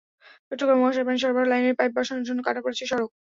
চট্টগ্রাম ওয়াসার পানি সরবরাহ লাইনের পাইপ বসানোর জন্য কাটা পড়েছে সড়ক।